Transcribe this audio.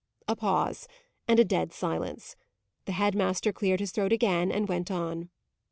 A pause and a dead silence. The head master cleared his throat again, and went on.